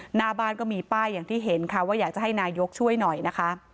หน้าบ้านก็มีป้ายอย่างที่เห็นค่ะว่าอยากจะให้นายกช่วยหน่อยนะคะ